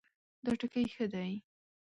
دا ټکی ښه دی